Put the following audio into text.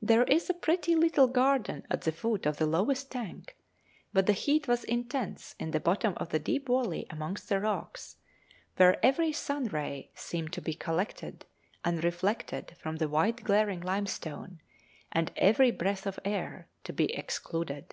There is a pretty little garden at the foot of the lowest tank, but the heat was intense in the bottom of the deep valley amongst the rocks, where every sun ray seemed to be collected and reflected from the white glaring limestone, and every breath of air to be excluded.